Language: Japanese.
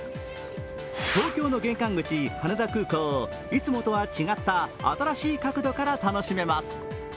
東京の玄関口羽田空港をいつもとは違った新しい角度から楽しめます。